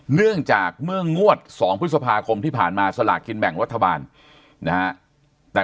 เนื่องจากเมื่องวด๒พฤษภาคมที่ผ่านมาสลากกินแบ่งรัฐบาลนะฮะแต่